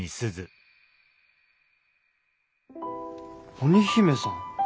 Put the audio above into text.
鬼姫さん。